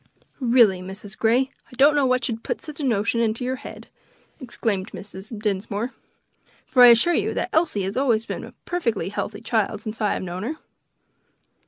"Really, Mrs. Grey, I don't know what should put such a notion into your head!" exclaimed Mrs. Dinsmore, "for I assure you Elsie has always been a perfectly healthy child since I have known her."